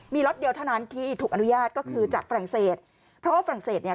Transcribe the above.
มีล็อตเดียวเท่านั้นที่ถูกอนุญาตก็คือจากฝรั่งเศสเพราะว่าฝรั่งเศสเนี่ย